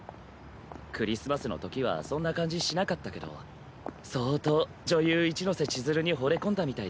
クリスマスのときはそんな感じしなかったけど相当女優・一ノ瀬ちづるにほれ込んだみたいだね。